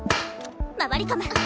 回り込む。